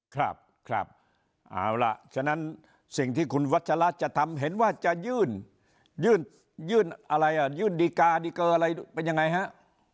ครับครับเอาล่ะฉะนั้นสิ่งที่คุณวัชระจะทำเห็นว่าจะยื่นยื่นอะไรอ่ะยื่นดีการ์ดีเกอร์อะไรเป็นยังไงฮะ